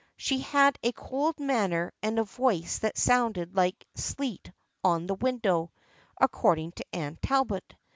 She had a cold manner and a voice that sounded like sleet on the window, according to Anne Talbot.